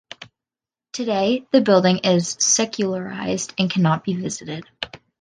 Today, the building is secularized and cannot be visited.